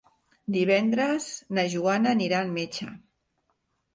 Divendres na Joana anirà al metge.